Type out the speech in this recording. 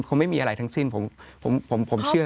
ไม่มีอะไรทั้งสิ้นผมเชื่อ